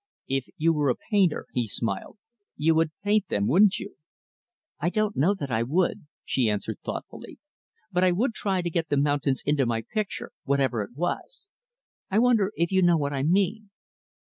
"If you were a painter," he smiled, "you would paint them, wouldn't you?" "I don't know that I would," she answered thoughtfully, "but I would try to get the mountains into my picture, whatever it was. I wonder if you know what I mean?"